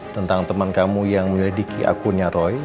tentang teman kamu yang menyelidiki akunnya roy